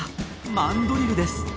マンドリルです。